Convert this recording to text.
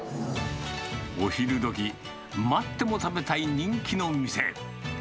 お昼どき、待っても食べたい人気の店。